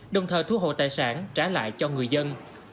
đồng thời thu hồ tài sản trả lại cho người dân